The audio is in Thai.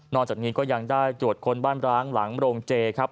จากนี้ก็ยังได้ตรวจคนบ้านร้างหลังโรงเจครับ